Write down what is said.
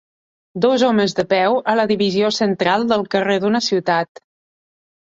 Dos homes de peu a la divisió central del carrer d'una ciutat.